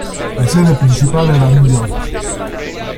La sede principale era a New York.